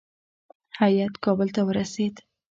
هیات کابل ته ورسېد.